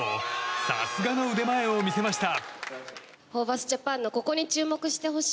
さすがの腕前を見せました。